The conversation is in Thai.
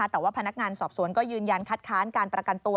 แต่ว่าพนักงานสอบสวนก็ยืนยันคัดค้านการประกันตัว